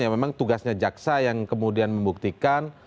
ya memang tugasnya jaksa yang kemudian membuktikan